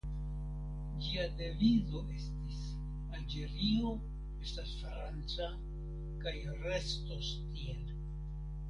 Ĝia devizo estis "Alĝerio estas franca kaj restos tiel".